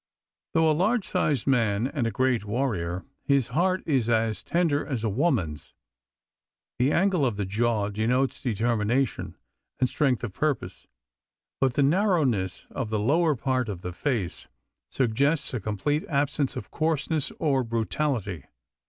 Though a large sized man, and a great warrior, his heart is as tender as a woman's. The angle of the jaw denotes determination and strength of purpose, but the narrowness of the lower part of the face suggests a complete absence of coarseness or brutality.